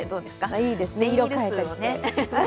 いいですね、色変えたり。